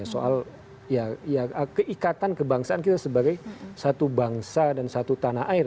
soal keikatan kebangsaan kita sebagai satu bangsa dan satu tanah air